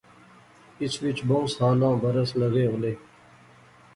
اس وچ بہوں سالاں برس لغے ہولے